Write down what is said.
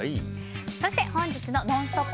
そして、本日の「ノンストップ！」